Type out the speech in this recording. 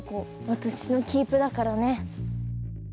私のキープだからね。